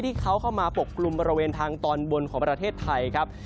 เข้ามาปกกลุ่มบริเวณทางตอนบนของประเทศไทยครับ